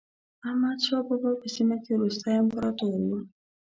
احمد شاه بابا په سیمه کې وروستی امپراتور و.